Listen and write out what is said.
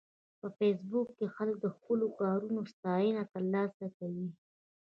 په فېسبوک کې خلک د خپلو کارونو ستاینه ترلاسه کوي